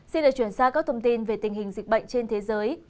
xin được chuyển sang các thông tin về tình hình dịch bệnh trên thế giới